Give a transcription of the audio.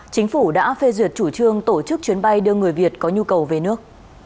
chính phủ đã phê duyệt chủ trương tổ chức chuyến bay đưa người việt có nhu cầu về nước